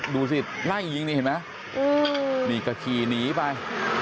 ดูสิไล่ยิงนี่เห็นไหมนี่ก็ขี่หนีไป